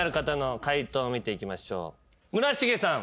村重さん。